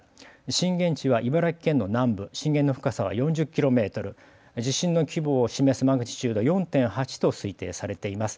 震源地は茨城県の南部震源の深さは４０ｋｍ、地震の規模を示すマグニチュード４．８と推定されています。